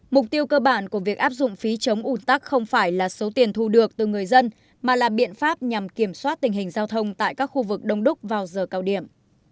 mục tiêu cơ bản của việc áp dụng phí chống ủn tắc không phải là số tiền thu được từ người dân mà là biện pháp nhằm kiểm soát tình hình giao thông tại các khu vực đông đúc vào giờ cao điểm